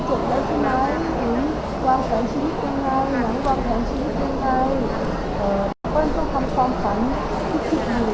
ก็อย่างคิดอยู่ว่าต้องพยายามทำสิ่งที่เราอยากทำให้เป็นความจริงได้